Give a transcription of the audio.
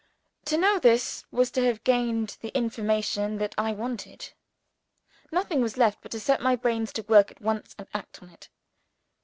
To know this was to have gained the information that I wanted. Nothing was left but to set my brains to work at once, and act on it.